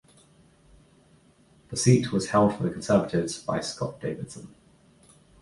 The seat was held for the Conservatives by Scot Davidson.